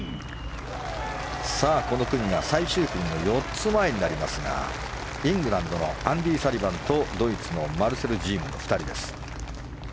さあ、この組は最終組の４つ前になりますがイングランドのアンディ・サリバンとドイツのマルセル・ジームの２人です。